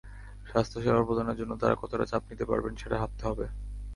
স্বাস্থ্যসেবা প্রদানের জন্য তাঁরা কতটা চাপ নিতে পারবেন, সেটা ভাবতে হবে।